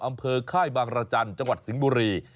ค่ายบางรจันทร์จังหวัดสิงห์บุรี